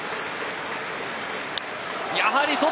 やはり外！